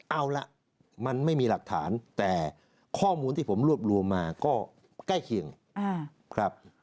เอาล่ะมันไม่มีหลักฐานแต่ข้อมูลที่ผมรวบรวมมาก็ใกล้เคียงครับ